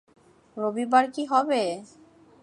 রবিবার কী হবে?